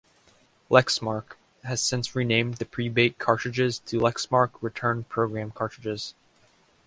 Lexmark has since renamed the Prebate cartridges to Lexmark Return Program Cartridges.